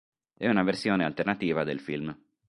È una versione alternativa del film".